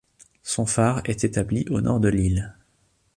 Son phare est établi au nord de l’île.